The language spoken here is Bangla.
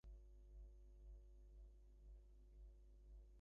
আমি নক্ষত্ররায়কে রাজ্য ছাড়িয়া দিয়া চলিয়া যাইতেছি।